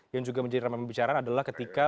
yang juga menjadi ramai pembicaraan adalah ketika